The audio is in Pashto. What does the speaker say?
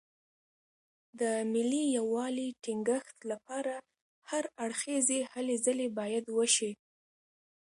د ملي یووالي ټینګښت لپاره هر اړخیزې هلې ځلې باید وشي.